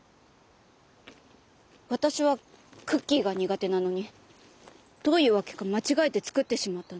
私はクッキーが苦手なのにどういう訳か間違えて作ってしまったの。